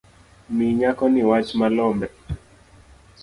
Mi nyakoni wach malombe